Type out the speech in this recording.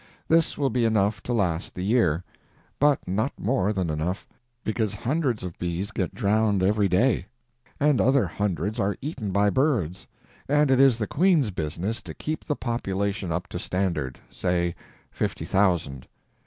This will be enough to last the year, but not more than enough, because hundreds of bees get drowned every day, and other hundreds are eaten by birds, and it is the queen's business to keep the population up to standard—say, fifty thousand.